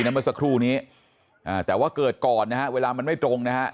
เมื่อสักครู่นี้อ่าแต่ว่าเกิดก่อนนะฮะเวลามันไม่ตรงนะฮะ